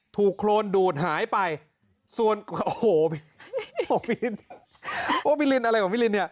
ถูกโค้นดูดหายไปผิดโหพีลินโหจะใครว่าพีลินเนี้ย